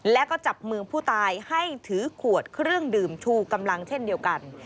แล้วก็จับมือผู้ตายให้ถือขวดเครื่องดื่มชูกำลังเช่นเดียวกัน